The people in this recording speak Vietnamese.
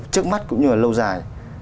trước mắt cũng như là lâu dài